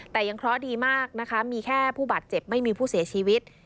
แต่ยังเคราะห์ดีมากนะคะมีแค่ผู้บาดเจ็บไม่มีผู้เสียชีวิต